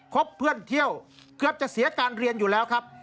พบเพื่อนเที่ยวเกือบจะเสียการเรียนอยู่แล้วครับ